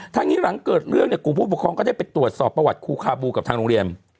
ทั้งนี้หลังเกิดเรื่องเนี่ยกลุ่มผู้ปกครองก็ได้ไปตรวจสอบประวัติครูคาบูกับทางโรงเรียน